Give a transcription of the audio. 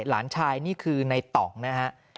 หลานชายนี่คือในต่องนะฮะ